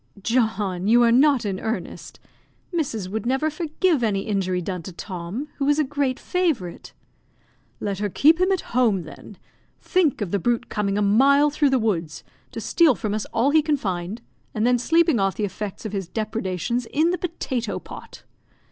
"John, you are not in earnest. Mrs. would never forgive any injury done to Tom, who is a great favourite." "Let her keep him at home, then. Think of the brute coming a mile through the woods to steal from us all he can find, and then sleeping off the effects of his depredations in the potato pot."